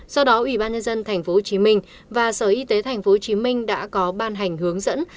do đó ủy ban nhân dân tp hcm và sở y tế tp hcm đã có ban hành hướng dẫn